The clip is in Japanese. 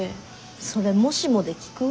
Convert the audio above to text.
それ「もしも」で聞く？